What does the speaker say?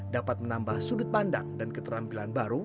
dapat menambah sudut pandang dan keterampilan baru